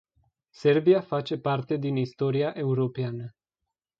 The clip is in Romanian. Serbia face parte din istoria europeană.